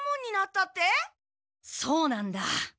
そうなんだ。